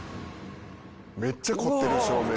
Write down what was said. めっちゃ凝ってる照明。